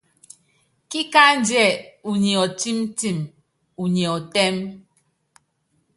Kíkándíɛ unyi ɔtɛ́mtɛm, unyɛ ɔtɛ́m.